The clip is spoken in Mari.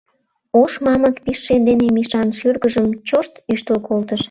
Ош мамык пижше дене Мишан шӱргыжым чошт ӱштыл колтыш: